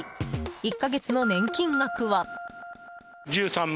１か月の年金額は。